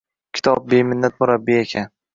Kitob beminnat murabbiy ekan.